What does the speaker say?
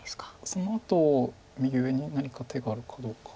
そのあと右上に何か手があるかどうか。